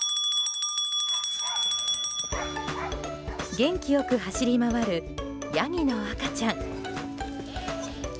元気良く走り回るヤギの赤ちゃん。